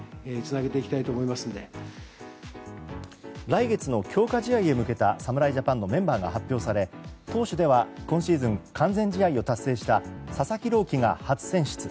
来月の強化試合へ向けた侍ジャパンのメンバーが発表され投手では今シーズン完全試合を達成した佐々木朗希が初選出。